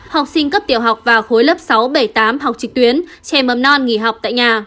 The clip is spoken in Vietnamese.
học sinh cấp tiểu học và khối lớp sáu bảy tám học trực tuyến trẻ mầm non nghỉ học tại nhà